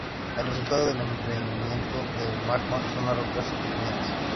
El resultado del enfriamiento del magma son las rocas ígneas.